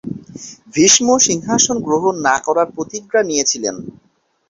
ভীষ্ম সিংহাসন গ্রহণ না করার প্রতিজ্ঞা নিয়েছিলন।